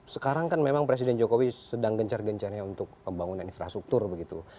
sekarang kan memang presiden jokowi sedang gencar gencarnya untuk pembangunan infrastruktur begitu